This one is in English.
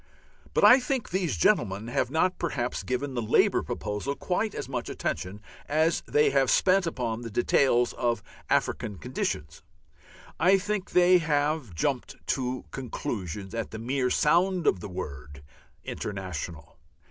But I think these gentlemen have not perhaps given the Labour proposal quite as much attention as they have spent upon the details of African conditions. I think they have jumped to conclusions at the mere sound of the word "international."